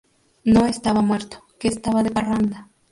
No estaba muerto, que estaba de parranda